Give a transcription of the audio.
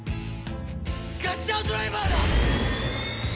ガッチャードライバーだ！